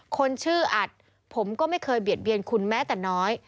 คนชื่ออัดผมก็ไม่เคยเบียดเบียนคุณแม้แต่น้อย